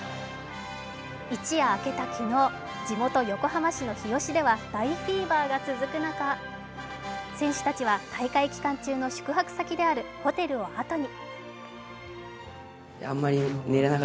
一夜明けた昨日、地元・横浜市の日吉では大フィーバーが続く中、選手たちは大会期間中の宿泊先であるホテルをあとに。